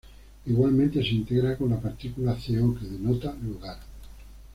Igualmente se integra con la partícula co, que denota lugar.